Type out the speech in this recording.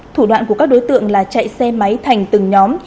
thủ đoạn của các đối tượng là chạy xe máy thành từng nhóm